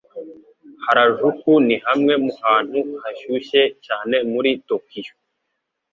Harajuku ni hamwe mu hantu hashyushye cyane muri Tokiyo.